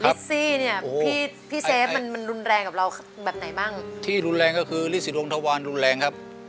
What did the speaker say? ซี่เนี่ยพี่พี่เซฟมันมันรุนแรงกับเราแบบไหนบ้างที่รุนแรงก็คือลิสิทวงทวารรุนแรงครับ